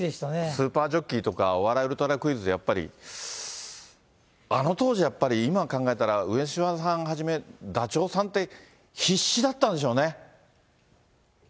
スーパージョッキーとか、お笑いウルトラクイズでやっぱり、あの当時やっぱり、今考えたら、上島さんをはじめダチョウさんって、必死だったんでしょうね。